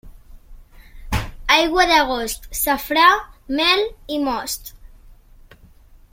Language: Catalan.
Aigua d'agost: safrà, mel i most.